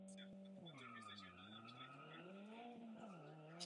V budově se kromě herny nacházela luxusní restaurace a bar.